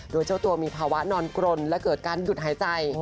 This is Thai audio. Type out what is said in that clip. โดยเจ้าตัวมีภาวะนอนกรนและเกิดการหยุดหายใจ